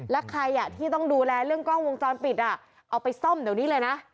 แล้วใครที่ต้องดูแลเรื่องกล้องวงจรปิดเอาไปซ่อมเดี๋ยวนี้เลยนะ